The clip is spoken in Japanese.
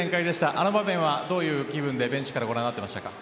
あの場面はどういう気分でベンチからご覧になっていましたか。